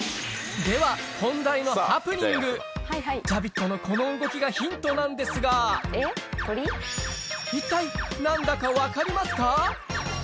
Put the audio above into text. では本題のジャビットのこの動きがヒントなんですが一体何だか分かりますか？